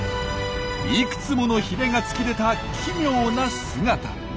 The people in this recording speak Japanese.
いくつものヒレが突き出た奇妙な姿。